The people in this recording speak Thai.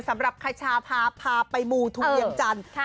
สำหรับคัชชาพาพาไปมูทุยังจันทร์